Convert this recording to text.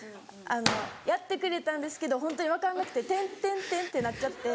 やってくれたんですけどホントに分からなくて「」ってなっちゃって。